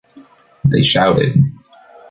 They shouted.